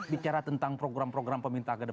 bicara tentang program program pemerintah ke depan